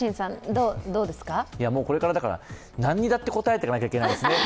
これから何にだって答えていかなきゃいけないですね。